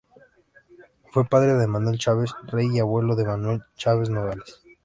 Fue padre de Manuel Chaves Rey y abuelo de Manuel Chaves Nogales.